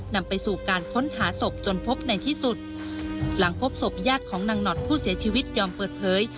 นำไปสู่การค้นหาศพจนพบในที่สุดหลังพบศพญาติของนางหนอดผู้เสียชีวิตยอมเปิดเผย